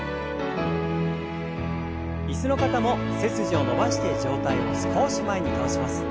椅子の方も背筋を伸ばして上体を少し前に倒します。